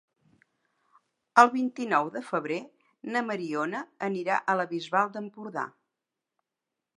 El vint-i-nou de febrer na Mariona anirà a la Bisbal d'Empordà.